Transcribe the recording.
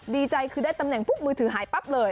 ดีใจคือได้ตำแหน่งปุ๊บมือถือหายปั๊บเลย